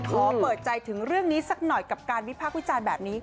ขอเปิดใจถึงเรื่องนี้สักหน่อยกับการวิพากษ์วิจารณ์แบบนี้